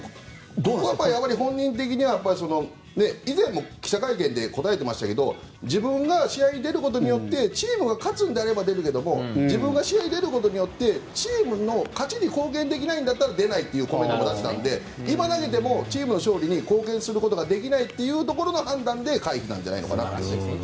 本人的には以前も記者会見で答えてましたが自分が試合に出ることでチームが勝つのであれば出るけれども自分が試合に出ることによってチームの勝ちに貢献できないなら出ないというコメントを出していたので今投げてもチームの勝利に貢献することができないっていうところの判断で回避なんじゃないかなと。